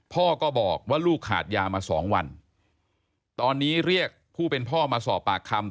พ่อก็บอกว่าลูกขาดยามาสองวันตอนนี้เรียกผู้เป็นพ่อมาสอบปากคำ